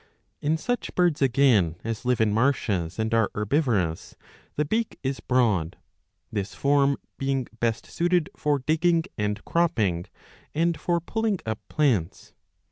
In such birds, again, as live in marshes and are herbivorous the beak is broad, this form being best suited for digging and cropping, and for pulling up plants.